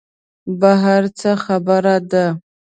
بهر څه خبره ده.